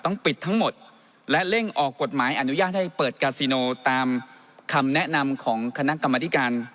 ต้องปิดทั้งหมดและเร่งออกกฎหมายอนุญาตให้เปิดกาซิโนตามคำแนะนำของคณะกรรมธิการ